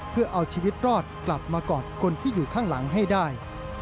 เพื่อเอาชีวิตรอดกลับมากอดคนที่อยู่ข้างหลังให้ได้